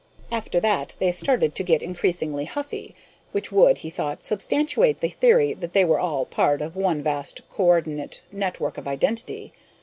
After that, they started to get increasingly huffy which would, he thought, substantiate the theory that they were all part of one vast coordinate network of identity.